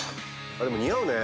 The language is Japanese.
でも似合うね。